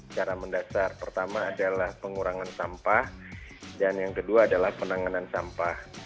cara mendasar pertama adalah pengurangan sampah dan yang kedua adalah penanganan sampah